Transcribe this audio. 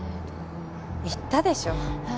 言ったでしょ。